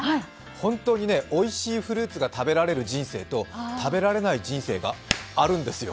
本当においしいフルーツが食べられる人生と食べられない人生があるんですよ！